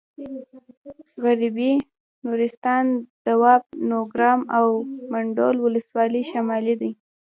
غربي نورستان دواب نورګرام او منډول ولسوالۍ شاملې دي.